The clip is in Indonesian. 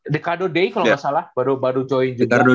dekado day kalau nggak salah baru join juga